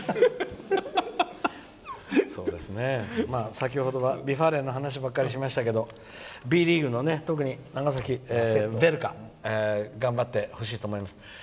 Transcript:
先程はＶ・ファーレンの話ばっかりしましたけどＢリーグの長崎ヴェルカも頑張ってほしいと思います。